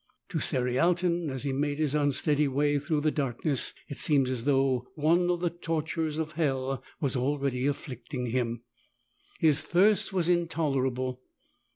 To Cerialton, as he made his unsteady way through the darkness, it seemed as though one of the tortures of hell was already afflicting him. His thirst was intolerable.